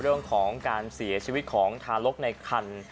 เรื่องของการเสียชีวิตของทารกในคัน